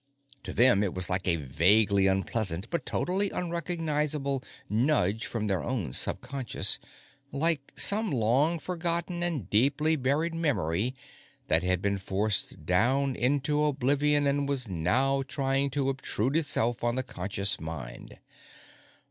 To them, it was like a vaguely unpleasant but totally unrecognizable nudge from their own subconscious, like some long forgotten and deeply buried memory that had been forced down into oblivion and was now trying to obtrude itself on the conscious mind.